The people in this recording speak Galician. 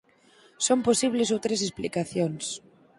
Son posibles outras explicacións.